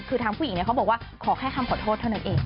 คือทางผู้หญิงเขาบอกว่าขอแค่คำขอโทษเท่านั้นเอง